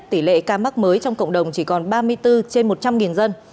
tỷ lệ ca mắc mới trong cộng đồng chỉ còn ba mươi bốn trên một trăm linh dân